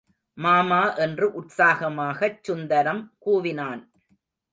மாமா என்று உற்சாகமாகச் சுந்தரம் கூவினான்.